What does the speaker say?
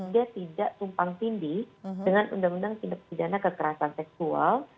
dia tidak tumpang tindih dengan undang undang tindak pidana kekerasan seksual